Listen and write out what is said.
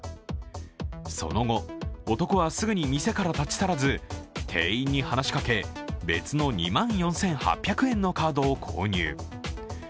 その後、男はすぐに店から立ち去らず、店員に話しかけ別の２万４８００円のカードを購入。